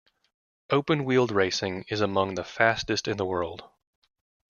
Open-wheeled racing is among the fastest in the world.